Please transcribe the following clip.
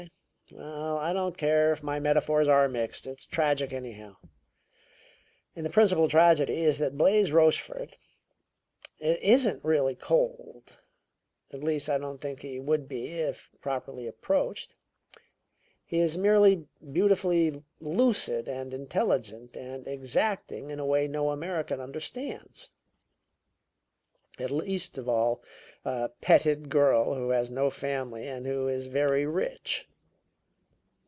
Well, I don't care if my metaphors are mixed. It's tragic, anyhow. And the principal tragedy is that Blais Rochefort isn't really cold at least, I don't think he would be if properly approached he is merely beautifully lucid and intelligent and exacting in a way no American understands, least of all a petted girl who has no family and who is very rich.